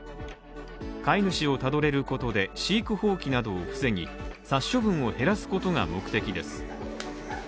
飼い主をたどれることで、飼育放棄などを防ぎ、殺処分を減らすことが目的です。